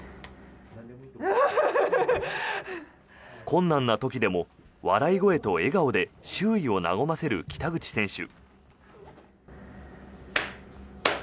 困難な時でも笑い声と笑顔で周囲を和ませる北口選手。